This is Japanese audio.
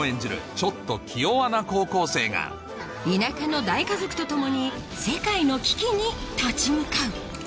ちょっと気弱な高校生が田舎の大家族と共に世界の危機に立ち向かう